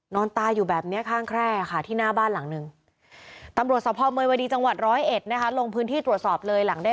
นอนตายอยู่แบบนี้ข้างแคร่ค่ะที่หน้าบ้านหลังนึง